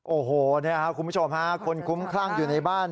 โอ้โฮคุณผู้ชมค่ะคนคุ้มคลั่งอยู่ในบ้าน